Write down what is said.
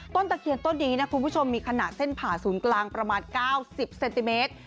ตะเคียนต้นนี้นะคุณผู้ชมมีขนาดเส้นผ่าศูนย์กลางประมาณ๙๐เซนติเมตร